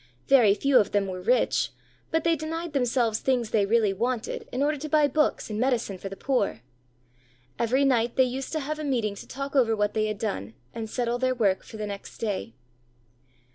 Very few of them were rich, but they denied themselves things they really wanted in order to buy books, and medicine for the poor. Every night they used to have a meeting to talk over what they had done, and settle their work for the next day.